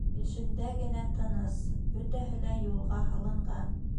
Эшендә генә тыныс: бөтәһе лә юлға һалынған.